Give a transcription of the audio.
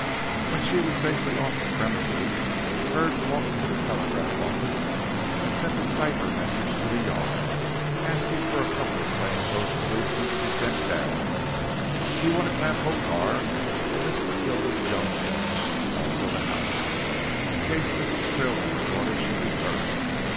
When she was safely off the premises, Hurd walked to the telegraph office, and sent a cipher message to the Yard, asking for a couple of plain clothes policemen to be sent down. He wanted to have Hokar and Miss Matilda Junk watched, also the house, in case Mrs. Krill and her daughter should return.